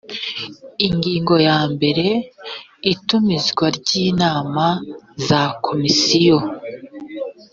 ingingo ya mbere itumizwa ry inama za komisiyo